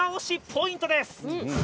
ポイントです。